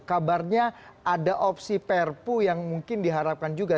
kabarnya ada opsi perpu yang mungkin diharapkan juga